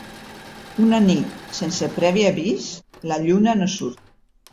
Una nit, sense previ avís, la lluna no surt.